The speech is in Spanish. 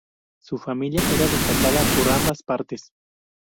Su familia era destacada por ambas partes.